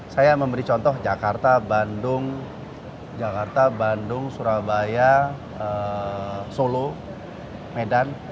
saya memberi contoh jakarta bandung surabaya solo medan